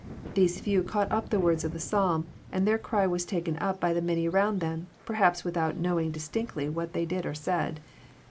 These few caught up the words of the Psalm, and their cry was taken up by the many around them, perhaps without knowing dis tinctly what they did or said.